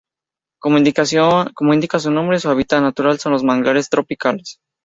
Como indica su nombre, su hábitat natural son los manglares tropicales.